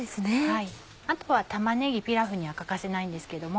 あとは玉ねぎピラフには欠かせないんですけども。